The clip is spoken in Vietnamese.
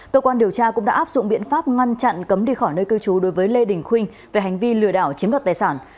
cơ quan điều tra cũng đã áp dụng biện pháp ngăn chặn cấm đi khỏi nơi cư trú đối với lê đình khuynh về hành vi lừa đảo chiếm đoạt tài sản